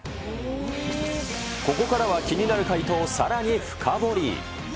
ここからは気になる回答をさらに深掘り。